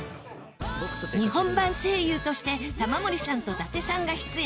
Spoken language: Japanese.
日本版声優として玉森さんと伊達さんが出演